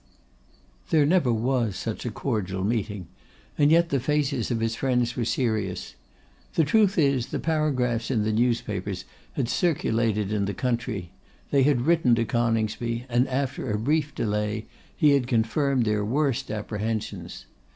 There never was such a cordial meeting; and yet the faces of his friends were serious. The truth is, the paragraphs in the newspapers had circulated in the country, they had written to Coningsby, and after a brief delay he had confirmed their worst apprehensions.